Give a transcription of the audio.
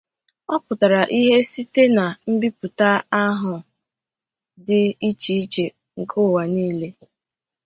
Ọ pụtara ihe site na mbipụta Abu dị iche iche nke ụwa niile.